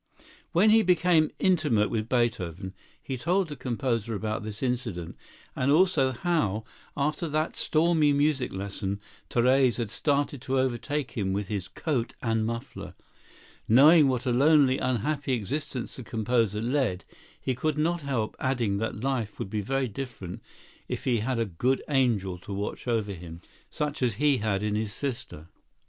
When he became intimate with Beethoven, he told the composer about this incident, and also how, after that stormy music lesson, Therese had started to overtake him with his coat and muffler. Knowing what a lonely, unhappy existence the composer led, he could not help adding that life would be very different if he had a good angel to watch over him, such as he had in his sister.